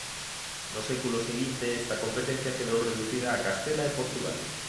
No século seguinte esta competencia quedou reducida a Castela e Portugal.